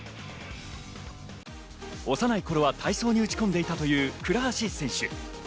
幼い頃は体操に打ち込んでいたという倉橋選手。